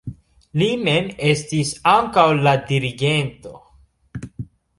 Li mem estis ankaŭ la dirigento.